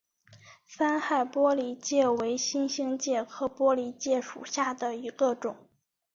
三害玻璃介为金星介科玻璃介属下的一个种。